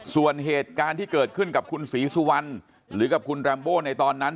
ส่วนเหตุการณ์ที่เกิดขึ้นกับคุณศรีสุวรรณหรือกับคุณแรมโบ้ในตอนนั้น